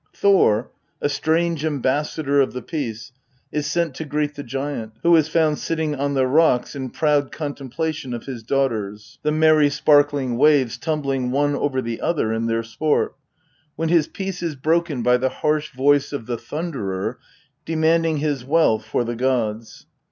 Thor, a strange ambassaW the peace, is sent to greet the giant, who is found sitting on the rofc^l, a di"e in proud contemplation of his daughters, the merry, sparkling^ter clas tumbling one over the other in their sport, when his peace r\ by the harsh voice of the Thunderer demanding the wealth cv 'or the gods.